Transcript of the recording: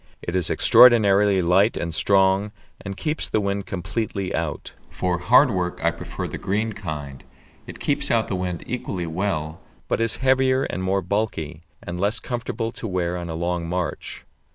It is extraordinarily light and strong, and keeps the wind completely out. For hard work I prefer the green kind. It keeps out the wind equally well, but is heavier and more bulky, and less comfortable to wear on a long march.